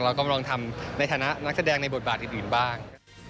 เรากำลังทำในฐานะนักแสดงในบทบาทอื่นบ้าง